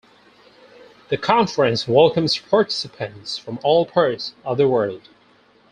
The conference welcomes participants from all parts of the world.